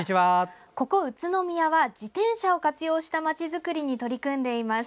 ここ宇都宮は自転車を活用したまちづくりに取り組んでいます。